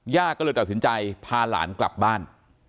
ก็เลยตัดสินใจพาหลานกลับบ้าน